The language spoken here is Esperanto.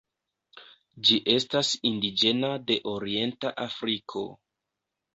Ĝi estas indiĝena de orienta Afriko.